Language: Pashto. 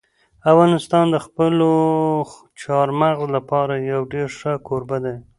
افغانستان د خپلو چار مغز لپاره یو ډېر ښه کوربه دی.